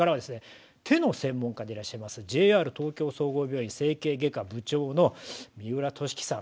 手の専門家でいらっしゃいますＪＲ東京総合病院整形外科部長の三浦俊樹さん。